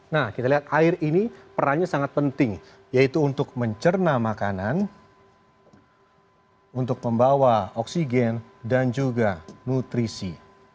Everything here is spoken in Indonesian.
nah kita lihat air ini perannya sangat penting yaitu untuk mencerna makanan untuk membawa oksigen dan juga nutrisi